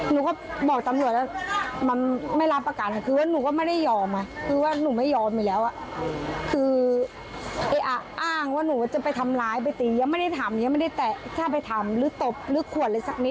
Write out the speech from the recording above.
หนูก็บอกตำรวจมาไม่รับประกาศคือว่าหนูก็ไม่ได้ยอมคือว่าหนูไม่ยอมอยู่แล้ว